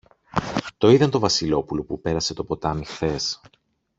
Το είδαν το Βασιλόπουλο που πέρασε το ποτάμι χθες